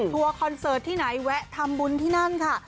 คอนเสิร์ตที่ไหนแวะทำบุญที่นั่นค่ะ